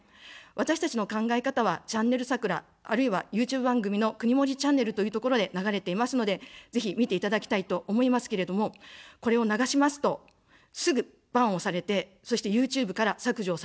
私たちの考え方は、チャンネル桜、あるいはＹｏｕＴｕｂｅ番組のくにもりチャンネルというところで流れていますので、ぜひ見ていただきたいと思いますけれども、これを流しますと、すぐバンをされて、そしてＹｏｕＴｕｂｅから削除されてしまいます。